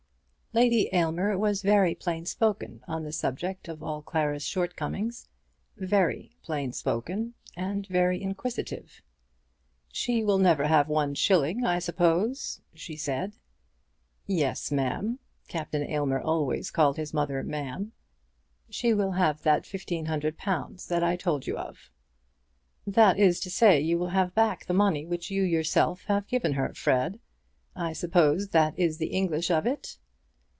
Lady Aylmer was very plain spoken on the subject of all Clara's shortcomings, very plain spoken, and very inquisitive. "She will never have one shilling, I suppose?" she said. "Yes, ma'am." Captain Aylmer always called his mother ma'am. "She will have that fifteen hundred pounds that I told you of." "That is to say, you will have back the money which you yourself have given her, Fred. I suppose that is the English of it?"